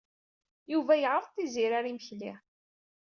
Yuba yeɛreḍ Tiziri ar yimekli.